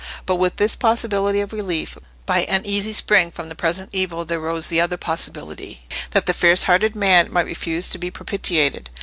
But with this possibility of relief, by an easy spring, from present evil, there rose the other possibility, that the fierce hearted man might refuse to be propitiated.